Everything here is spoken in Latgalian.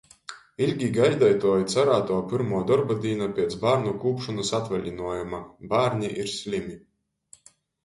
Ilgi gaideituo i carātuo pyrmuo dorba dīna piec bārnu kūpšonys atvalinuojuma - bārni ir slymi.